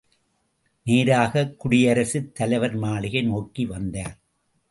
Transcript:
நேராகக் குடியரசுத் தலைவர் மாளிகை நோக்கி வந்தார்.